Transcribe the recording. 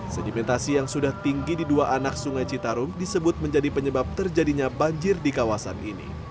sedimentasi yang sudah tinggi di dua anak sungai citarum disebut menjadi penyebab terjadinya banjir di kawasan ini